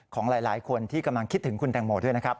ของหลายคนที่กำลังคิดถึงคุณแตงโมด้วยนะครับ